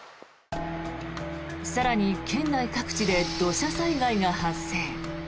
更に、県内各地で土砂災害が発生。